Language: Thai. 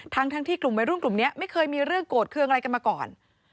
ทั้งที่กลุ่มวัยรุ่นกลุ่มนี้ไม่เคยมีเรื่องโกรธเครื่องอะไรกันมาก่อน